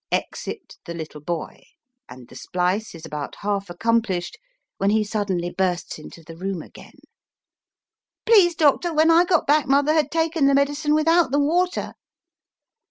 Exit the little boy, and the splice is about half accomplished when he suddenly bursts into the room again. Please, doctor, when I got back mother had taken the medicine without the water.